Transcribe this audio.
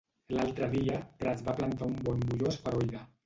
L'altre dia, Prats va plantar un bon molló esferoide.